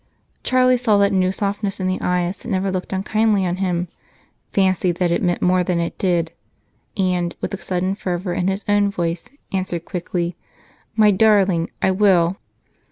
Charlie saw that new softness in the eyes that never looked unkindly on him, fancied that it meant more than it did, and, with a sudden fervor in his own voice, answered quickly: "My darling, I will!"